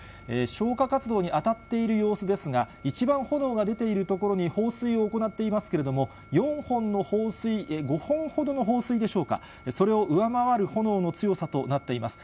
消火活動に当たっている様子ですが、一番炎が出ている所に放水を行っていますけれども、４本の放水、５本ほどの放水でしょうか、それを上回る炎の強さとなっています。